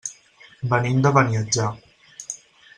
Venim de Beniatjar.